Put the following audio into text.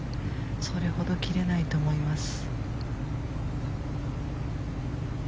それほど切れないと思います。